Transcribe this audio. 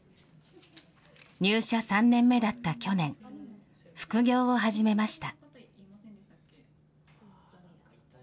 入社３年目だった去年、副業を始めました。